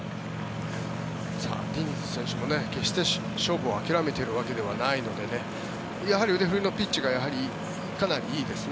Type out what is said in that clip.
ディニズ選手も決して勝負を諦めているわけではないのでやはり、腕振りのピッチがかなりいいですね。